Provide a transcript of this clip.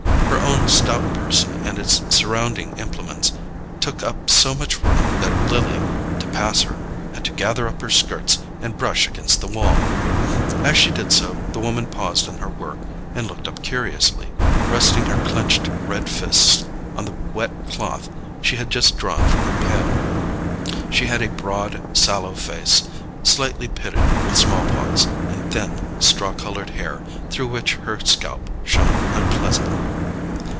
Her own stout person and its surrounding implements took up so much room that Lily, to pass her, had to gather up her skirts and brush against the wall. As she did so, the woman paused in her work and looked up curiously, resting her clenched red fists on the wet cloth she had just drawn from her pail. She had a broad sallow face, slightly pitted with small pox, and thin straw coloured hair through which her scalp shone unpleasantly.